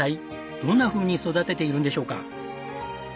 どんなふうに育てているんでしょうか？